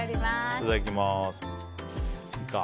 いただきます。